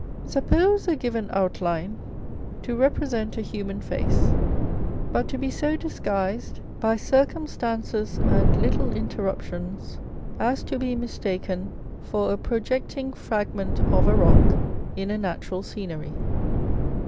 Suppose a given outline to represent a human face, but to be so disguised by circum On a Portrait faj Vandyke. 407 stances and little interruptions as to be mistaken for a projecting fragment of a rock in a natural scenery.